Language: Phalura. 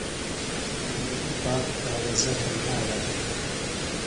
ملنگی باغ گھاوزہ تھے نھیاڑہ دے۔